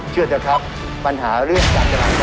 เชื่อเถอะครับปัญหาเรื่องการจราจร